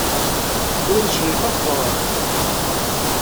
Ula d Crifa teẓra-t.